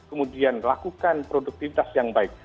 kemudian lakukan produktivitas yang baik